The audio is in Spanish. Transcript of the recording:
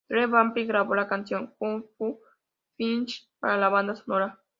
The Vamps grabó la canción "Kung Fu Fighting" para la banda sonora.